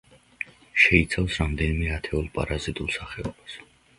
შეიცავს რამდენიმე ათეულ პარაზიტულ სახეობას.